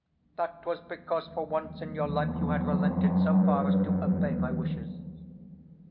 That was because for once in your life you had relented so far as to obey my wishes.